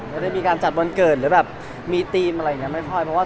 ไม่ได้ภาระว่าจะมีเมืองไว้